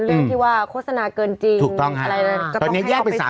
เรื่องที่ว่าโฆษณาเกินจริงอะไรอะไรก็ต้องให้ออกไปสู้กัน